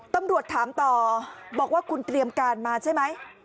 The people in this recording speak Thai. ตำรวจถามต่อบอกว่าคุณเตรียมการมาใช่ไหม